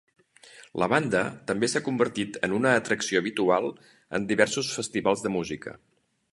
La banda també s'ha convertit en una atracció habitual en diversos festivals de música.